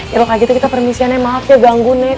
ilah kayak gitu kita permisi ya nek maaf ya ganggu nek